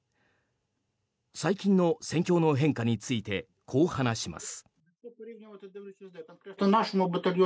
最近の戦況の変化についてこう話します。